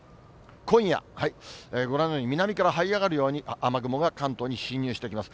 今夜、ご覧のように南からはい上がるように雨雲が関東に進入してきます。